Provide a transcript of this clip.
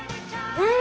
うん！